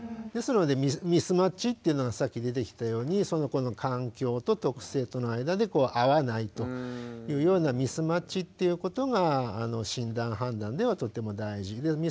ですのでミスマッチっていうのがさっき出てきたようにその子の環境と特性との間で合わないというようなミスマッチということが診断判断ではとても大事で。